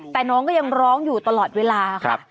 แต่น้องก็ยังร้องอยู่ตลอดเวลาค่ะ